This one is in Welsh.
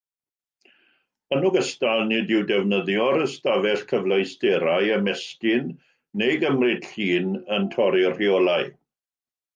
Yn ogystal, nid yw defnyddio'r ystafell cyfleusterau, ymestyn, neu gymryd llun yn torri'r rheolau.